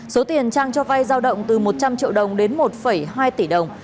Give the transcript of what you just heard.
số tiền trang cho vay giao động từ một trăm linh triệu đồng đến một hai tỷ đồng